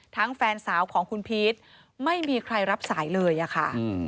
แฟนสาวของคุณพีชไม่มีใครรับสายเลยอะค่ะ